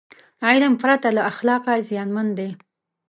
علم پرته له اخلاقه زیانمن دی.